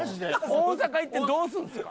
大阪行ってどうするんですか？